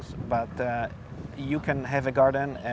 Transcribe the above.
anda bisa memiliki hutan dan memperbaikinya